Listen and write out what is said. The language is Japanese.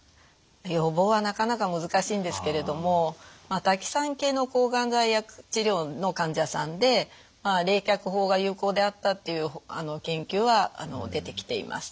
予防はなかなか難しいんですけれどもタキサン系の抗がん剤治療の患者さんで冷却法が有効であったっていう研究は出てきています。